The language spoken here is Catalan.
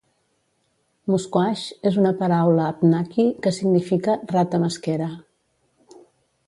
Musquash és una paraula abnaki que significa "rata mesquera".